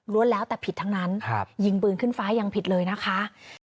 แล้วแต่ผิดทั้งนั้นยิงปืนขึ้นฟ้ายังผิดเลยนะคะ